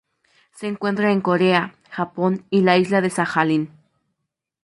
Se encuentra en Corea, Japón y la isla de Sajalín.